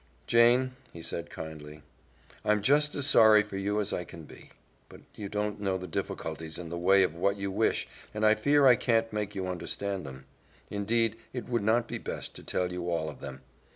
"Jane," he said kindly, "I'm just as sorry for you as I can be, but you don't know the difficulties in the way of what you wish, and I fear I can't make you understand them. Indeed, it would not be best to tell you all of them.